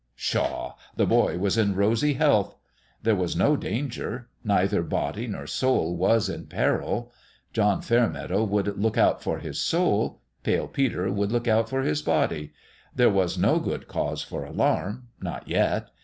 Pshaw ! the boy was in rosy health. There was no danger ; neither body nor soul was in peril. John Fairmeadow would look out for his soul. Pale Peter would look out for his body. There was no good cause for alarm not yet.